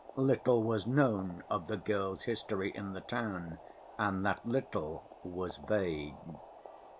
Little was known of the girl's history in the town and that little was vague.